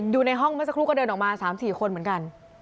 อยู่ในห้องเมื่อสักครู่ก็เดินออกมา๓๔คนเหมือนกัน